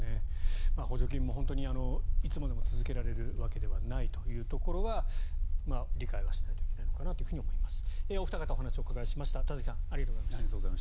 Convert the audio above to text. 補助金もいつまでも続けられるわけではないというところは理解はしないといけないのかなと思います。